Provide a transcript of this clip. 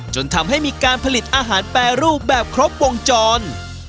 จนทำให้มีการผลิตอาหารแปรรูปแบบครบวงจร